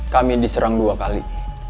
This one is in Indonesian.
kami diserang dua kali